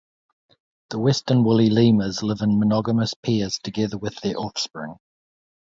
The western woolly lemurs live in monogamous pairs together with their offspring.